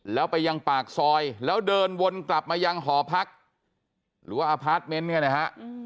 แล้วไปยังปากซอยแล้วเดินวนกลับมายังหอพักหรือว่าอพาร์ทเมนต์เนี่ยนะฮะ